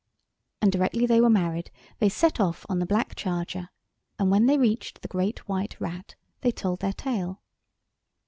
And directly they were married they set off on the black charger, and when they reached the Great White Rat they told their tale.